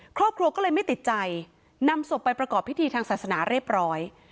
ครอบครัวก็เลยไม่ติดใจนำศพไปประกอบพิธีทางศาสนาเรียบร้อย